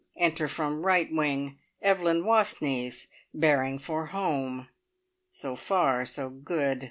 Enter from right wing, Evelyn Wastneys, bearing for home. So far, so good.